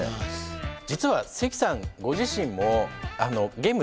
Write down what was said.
実は関さんご自身もゲーム大好き。